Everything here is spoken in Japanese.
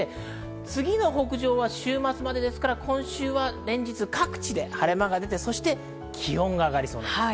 次の北上は週末までですから、今週は連日各地で晴れ間が出て、気温が上がりそうです。